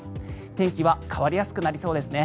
天気は変わりやすくなりそうですね。